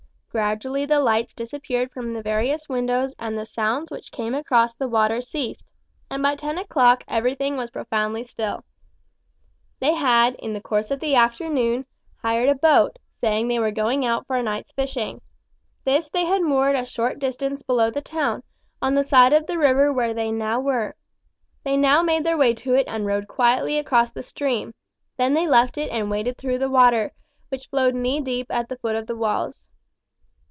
Gradually the lights disappeared from the various windows and the sounds which came across the water ceased, and by ten o'clock everything was profoundly still. They had, in the course of the afternoon, hired a boat, saying they were going out for a night's fishing. This they had moored a short distance below the town, on the side of the river where they now were. They now made their way to it and rowed quietly across the stream; then they left it and waded through the water, which flowed knee deep at the foot of the walls.